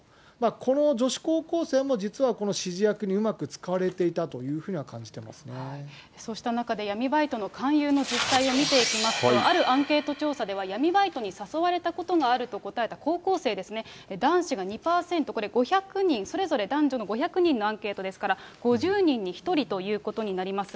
この女子高校生も実はこの指示役にうまく使われていたというふうそうした中で闇バイトの勧誘の実態を見ていきますと、あるアンケート調査では、闇バイトに誘われたことがあると答えた高校生ですね、男子が２％、これ５００人、それぞれ男女の５００人のアンケートですから、５０人に１人ということになります。